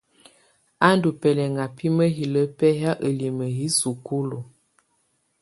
Ú ndù bɛlɛŋa bi mǝhilǝ bɛhaa ǝlimǝ yi sukulu.